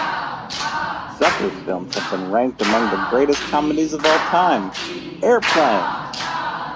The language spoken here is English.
Zucker's films have been ranked among the greatest comedies of all time: Airplane!